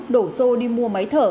đổ xô đi mua máy thở